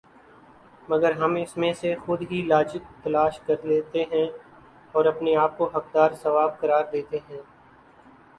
مگر ہم اس میں سے خود ہی لاجک تلاش کرلیتےہیں اور اپنے آپ کو حقدار ثواب قرار دے لیتےہیں